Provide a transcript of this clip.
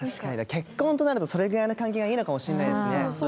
結婚となるとそれぐらいの関係がいいのかもしれないですね。